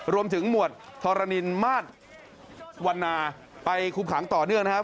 รวมถึงหมวดทรนินมาตรวันนาไปคุมขังต่อเนื่องนะครับ